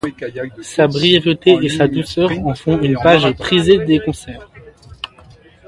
Sa brièveté et sa douceur en font une page prisée des concerts.